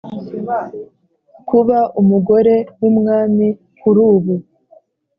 kuba umugore wumwami kurubu